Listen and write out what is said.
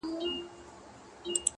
تر اوسه په میلیونونه افغانان